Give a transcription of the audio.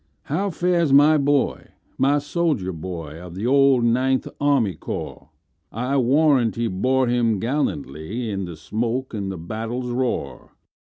"How fares my boy,—my soldier boy, Of the old Ninth Army Corps?I warrant he bore him gallantlyIn the smoke and the battle's roar!"